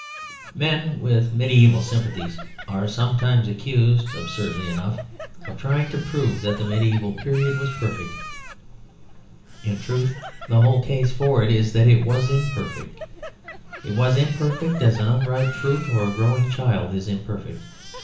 Men with medieval sympathies are sometimes accused, absurdly enough, of trying to prove that the medieval period was perfect. In truth the whole case for it is that it was imperfect. It was imperfect as an unripe fruit or a growing child is imperfect.